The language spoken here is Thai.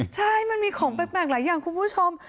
ใช่มันมีของแปลกหลายอย่างคุณผู้ชม